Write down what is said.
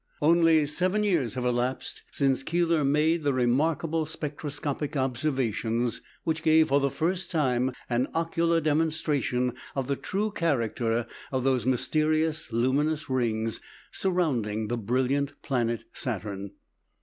Only seven years have elapsed since Keeler made the remarkable spectroscopic observations which gave for the first time an ocular demonstration of the true character of those mysterious luminous rings surrounding the brilliant planet Saturn.